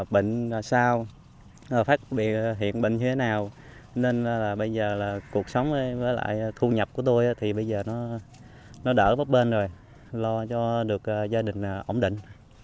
bệnh sao phát hiện bệnh thế nào nên bây giờ cuộc sống với lại thu nhập của tôi thì bây giờ nó đỡ bất bên rồi lo cho được gia đình ổn định